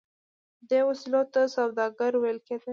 دې وسیلو ته سوداګر ویل کیدل.